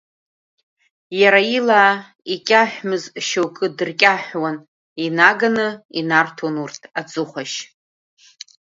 Иара ила икьаҳәмыз шьоук дыркьаҳәуан, инаганы инарҭон урҭ аӡыхәашь.